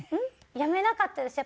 やめなかったです。